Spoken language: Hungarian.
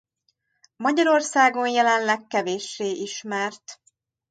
Magyarországon jelenleg kevéssé ismert.